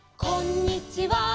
「こんにちは」